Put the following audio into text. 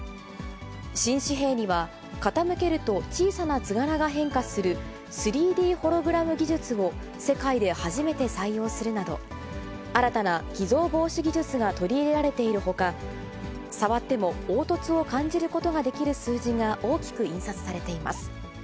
新紙幣には、傾けると小さな図柄が変化する、３Ｄホログラム技術を世界で初めて採用するなど、新たな偽造防止技術が取り入れられているほか、触っても凹凸を感じることができる数字が大きく印刷されています。